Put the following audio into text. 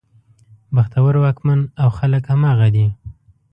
بختور واکمن او خلک همغه دي.